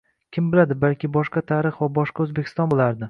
Kim biladi, balki boshqa tarix va boshqa O'zbekiston bo'lardi